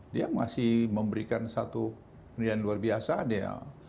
dia masih memberikan satu penilaian luar biasa dia